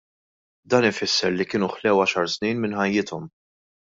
Dan ifisser li kienu ħlew għaxar snin minn ħajjithom.